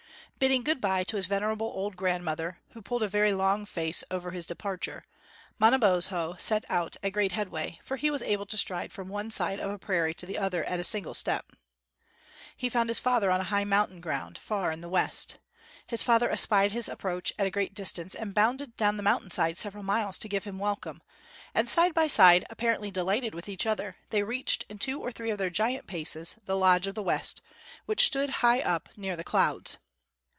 Bidding good bye to his venerable old grandmother, who pulled a very long face over his departure, Manabozho set out at great headway, for he was able to stride from one side of a prairie to the other at a single step. He found his father on a high mountain ground, far in the west. His father espied his approach at a great distance and bounded down the mountain side several miles to give him welcome; and, side by side, apparently delighted with each other, they reached in two or three of their giant paces the lodge of the West, which stood high up near the clouds.